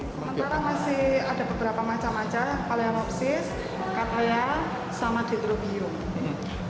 sementara masih ada beberapa macam macam paleomopsis kakraya sama dendrobium